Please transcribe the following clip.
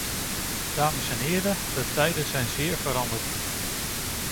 Dames en heren, de tijden zijn zeer veranderd.